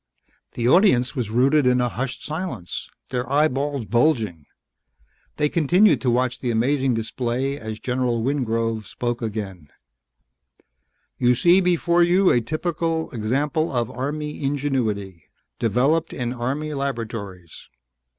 The audience was rooted in a hushed silence, their eyeballs bulging. They continued to watch the amazing display as General Wingrove spoke again: "You see before you a typical example of Army ingenuity, developed in Army laboratories.